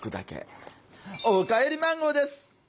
「おかえりマンゴー」です。